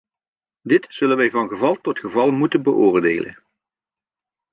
Dit zullen wij van geval tot geval moeten beoordelen.